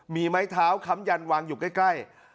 มีไม้เท้าค้ำยันวางอยู่ใกล้